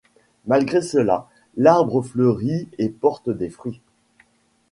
Malgré cela, l'arbre fleurit et porte des fruits.